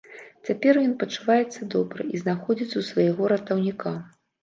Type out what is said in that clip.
Цяпер ён пачуваецца добра і знаходзіцца ў свайго ратаўніка.